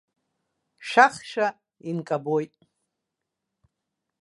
Шәахшәа инкабоит.